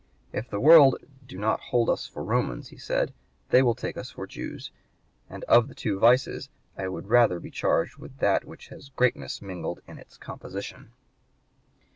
"If the world do not hold us for Romans," he said, "they will take us for Jews, and of the two vices I would rather be charged with that which has greatness mingled in its composition."